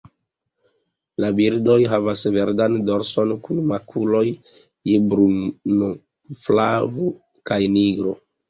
La birdoj havas verdan dorson, kun makuloj je bruno, flavo kaj nigro.